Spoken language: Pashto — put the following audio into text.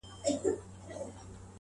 په هر شعر مي د ارمانونو